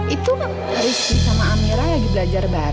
itu kan rizky sama amira lagi belajar baru